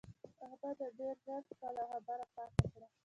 احمد ډېر ژر خپله خبره پاکه کړه.